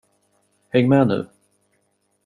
Häng med nu.